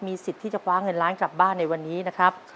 สิทธิ์ที่จะคว้าเงินล้านกลับบ้านในวันนี้นะครับ